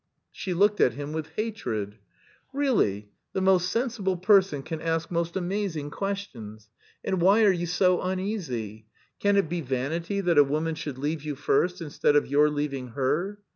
She looked at him with hatred. "Really, the most sensible person can ask most amazing questions. And why are you so uneasy? Can it be vanity that a woman should leave you first instead of your leaving her?